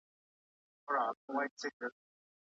آیا په انټرنیټ کي د وړیا زده کړي ډیري لاري سته؟